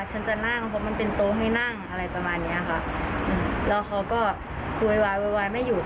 ฉันจะนั่งเพราะมันเป็นโต๊ะให้นั่งอะไรประมาณเนี้ยค่ะอืมแล้วเขาก็โวยวายโวยวายไม่หยุด